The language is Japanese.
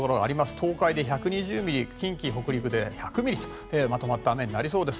東海で１２０ミリ近畿、北陸で１００ミリとまとまった雨になりそうです。